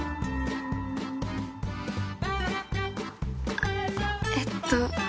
あっえっと